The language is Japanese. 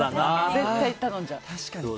絶対頼んじゃう。